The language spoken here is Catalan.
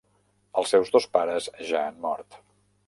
Els seus dos pares ja han mort.